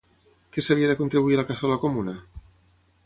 Què s'havia de contribuir a la cassola comuna?